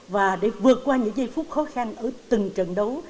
và để vượt qua những giây phút khó khăn ở từng trận đấu